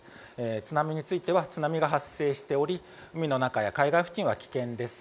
津波については津波が発生しており海の中や海岸付近は危険です。